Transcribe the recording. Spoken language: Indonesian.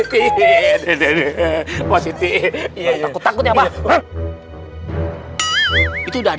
siap demi beauty limit partner